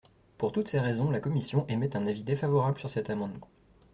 Pour toutes ces raisons, la commission émet un avis défavorable sur cet amendement.